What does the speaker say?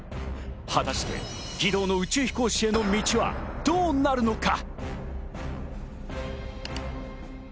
果たして義堂の宇宙飛行士への道はどうなるのか？